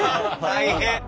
大変。